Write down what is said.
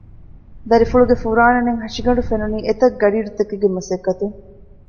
ދަރިފުޅުގެ ފުރާނަނެތް ހަށިގަނޑު ފެނުނީ އެތަށް ގަޑިއިރުތަކެއްގެ މަސައްކަތުން